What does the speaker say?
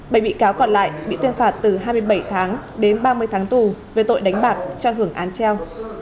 bảy bị cáo còn lại bị tuyên phạt từ hai mươi bảy tháng đến ba mươi tháng tù về tội đánh bạc cho hưởng án treo